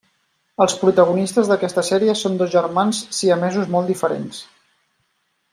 Els protagonistes d'aquesta sèrie són dos germans siamesos molt diferents.